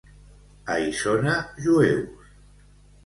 A Isona, jueus.